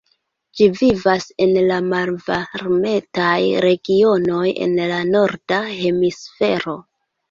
Ĝi vivas en la malvarmetaj regionoj en la norda hemisfero.